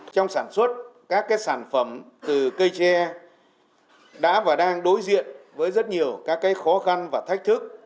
trong sản xuất các sản phẩm từ cây tre đã và đang đối diện với rất nhiều các khó khăn và thách thức